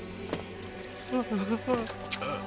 ああ！